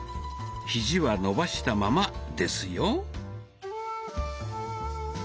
ひじは伸ばしたままですよ。